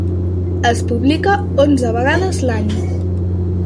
Es publica onze vegades l'any.